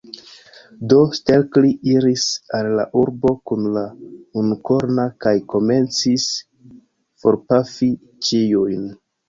Do, Stelkri iris al la urbo kun la unukorno, kaj komencis forpafi ĉiujn.